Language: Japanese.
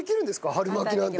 春巻きなんて。